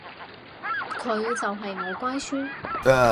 佢就係我乖孫